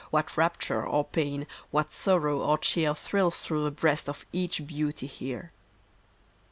What rapture or pain, what sorrow or cheer Thrills through the breast of each beauty here.